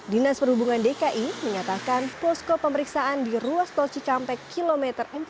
dinas perhubungan dki menyatakan posko pemeriksaan di ruas tol cikampek kilometer empat puluh